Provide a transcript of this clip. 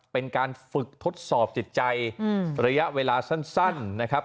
เป็นการฝึกทดสอบจิตใจระยะเวลาสั้นนะครับ